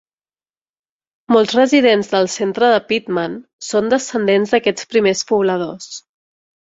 Molts residents del centre de Pittman són descendents d'aquests primers pobladors.